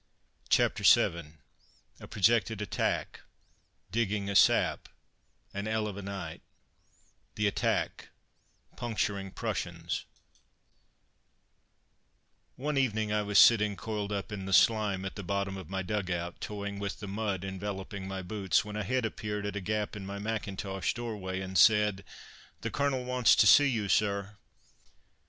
CHAPTER VII A PROJECTED ATTACK DIGGING A SAP AN 'ELL OF A NIGHT THE ATTACK PUNCTURING PRUSSIANS [Illustration: O] One evening I was sitting, coiled up in the slime at the bottom of my dug out, toying with the mud enveloping my boots, when a head appeared at a gap in my mackintosh doorway and said, "The Colonel wants to see you, sir."